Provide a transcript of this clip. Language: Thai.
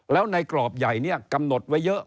แล้วในกรอบใหญ่นี้กำหนดไว้เยอะ